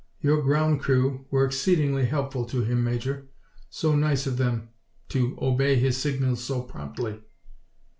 Your ground crew were exceedingly helpful to him, Major. So nice of them to obey his signals so promptly."